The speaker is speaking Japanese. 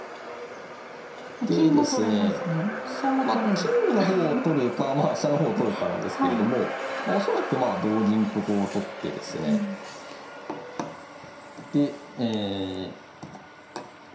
金の方を取るか飛車の方を取るかなんですけれども恐らく同銀とこう取ってですねでえ